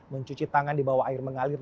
mencuci tangan di bawah air mengalir